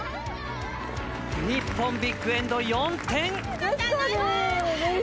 日本、ビッグエンド、４点。